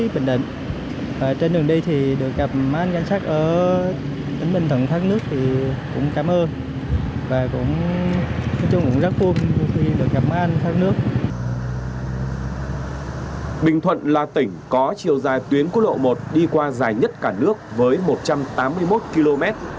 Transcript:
bình thuận là tỉnh có chiều dài tuyến quốc lộ một đi qua dài nhất cả nước với một trăm tám mươi một km